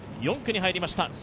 ４区に入りました、